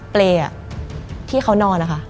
เปรย์ที่เขานอนนะคะ